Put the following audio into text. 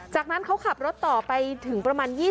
จากนั้นเขาขับรถต่อไปถึงประมาณ